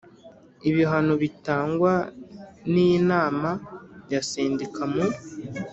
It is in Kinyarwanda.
Ibihano bitangwa n Inama ya Sendika mu